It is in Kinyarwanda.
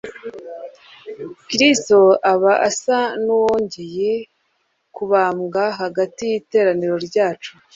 Kristo aba asa n'uwongeye kubambwa hagati y'iteraniro ryacu.